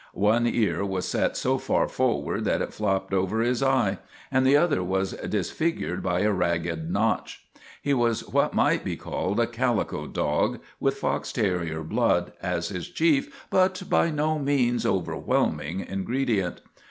One ear was set so far forward that it flopped over his eye, and the other was disfigured by a ragged notch. He was what might be called a calico dog, with fox terrier blood as his chief but by no means overwhelming ingredient.